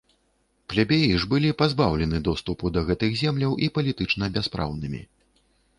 Плебеі ж былі пазбаўлены доступу да гэтых земляў і палітычна бяспраўнымі.